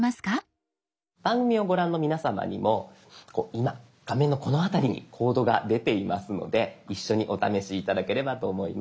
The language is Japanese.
番組をご覧の皆さまにも今画面のこの辺りにコードが出ていますので一緒にお試し頂ければと思います。